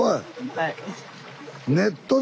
はい。